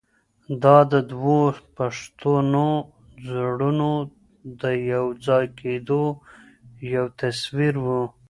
دا د دوو پښتنو زړونو د یو ځای کېدو یو تصویر و.